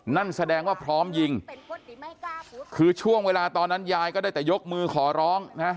นั่นแสดงว่าพร้อมยิงคือช่วงเวลาตอนนั้นยายก็ได้แต่ยกมือขอร้องนะ